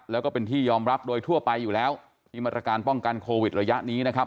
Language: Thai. แล้วก็เป็นที่ยอมรับโดยทั่วไปอยู่แล้วที่มาตรการป้องกันโควิดระยะนี้นะครับ